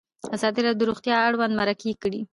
ازادي راډیو د روغتیا اړوند مرکې کړي.